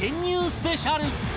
スペシャル